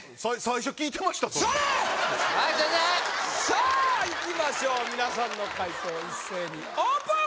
さあいきましょうみなさんの解答一斉にオープン！